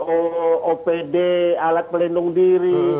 apd alat pelindung diri